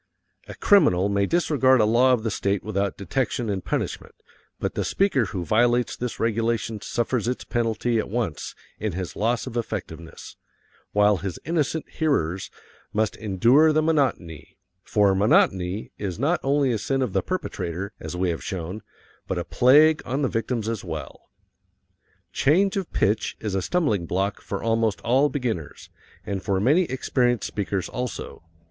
A criminal may disregard a law of the state without detection and punishment, but the speaker who violates this regulation suffers its penalty at once in his loss of effectiveness, while his innocent hearers must endure the monotony for monotony is not only a sin of the perpetrator, as we have shown, but a plague on the victims as well. Change of pitch is a stumbling block for almost all beginners, and for many experienced speakers also.